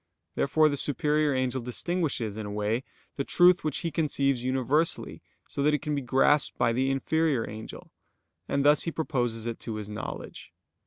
Therefore the superior angel distinguishes, in a way, the truth which he conceives universally, so that it can be grasped by the inferior angel; and thus he proposes it to his knowledge.